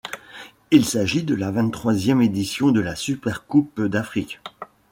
Il s'agit de la vingt-troisième édition de la Supercoupe d'Afrique.